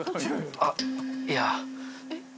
あっいや。